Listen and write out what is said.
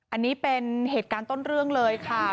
อันนี้เป็นเหตุการณ์ต้นเรื่องเลยค่ะ